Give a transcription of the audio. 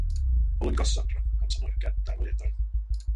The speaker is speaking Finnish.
“Olen Cassandra”, hän sanoi kättään ojentaen.